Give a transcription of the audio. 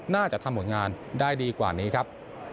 น่าจะทำผลงานได้ดีกว่านี้ครับ